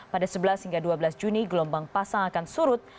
pada sebelas hingga dua belas juni gelombang pasang akan surut